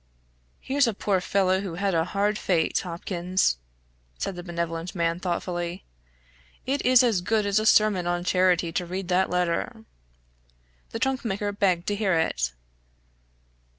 "Here's a poor fellow who had a hard fate, Hopkins," said the benevolent man, thoughtfully. "It is as good as a sermon on charity to read that letter." The trunk maker begged to hear it.